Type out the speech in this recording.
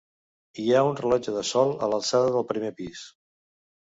Hi ha un rellotge de sol a l'alçada del primer pis.